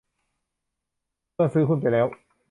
เมื่อซื้อหุ้นไปแล้ว